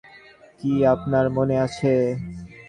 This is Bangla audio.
মিস কেলি, সে রাতের ঘটনার কিছু কি আপনার মনে আছে?